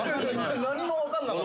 何も分かんなかった。